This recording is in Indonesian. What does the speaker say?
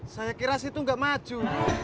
saya kira situ nggak maju